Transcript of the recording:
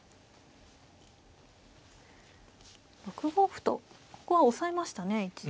６五歩とここは押さえましたね一度。